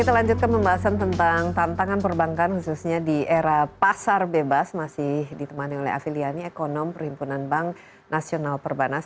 kita lanjutkan pembahasan tentang tantangan perbankan khususnya di era pasar bebas masih ditemani oleh afi liani ekonom perhimpunan bank nasional perbanas